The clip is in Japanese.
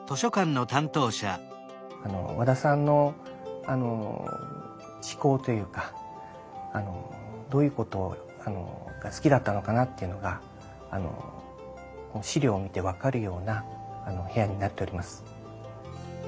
和田さんの嗜好というかどういうことが好きだったのかなというのが資料を見て分かるような部屋になっております。